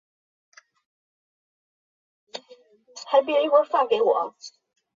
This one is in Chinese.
店家菜单上有羊身上各个不同的部位的肉供食客选择。